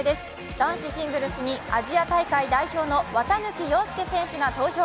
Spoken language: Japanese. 男子シングルスに、アジア大会代表の綿貫陽介選手が登場。